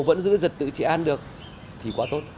vẫn giữ giật tự trị an được thì quá tốt